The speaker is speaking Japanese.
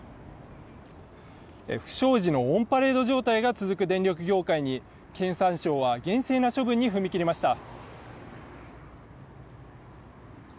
不祥事のオンパレード状態が続く電力業界に経産省は厳正な処分に踏み切りました。